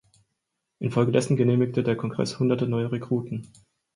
Infolgedessen genehmigte der Kongress Hunderte neuer Rekruten.